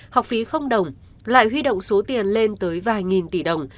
học phí không đồng lại huy động số tiền lên tới vài nghìn tỷ đồng